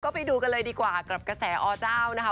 ไปดูกันเลยดีกว่ากับกระแสอเจ้านะคะ